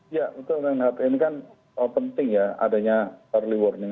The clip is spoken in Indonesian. ya untuk orang yang hp ini kan penting ya adanya early warning